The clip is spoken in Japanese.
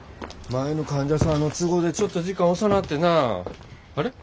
前の患者さんの都合でちょっと時間遅なってなあ。